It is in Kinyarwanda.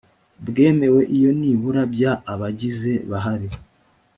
bwemewe iyo nibura bya abayigize bahari